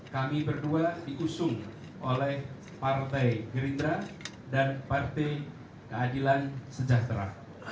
kami berdua diusung oleh partai gerindra dan partai keadilan sejahtera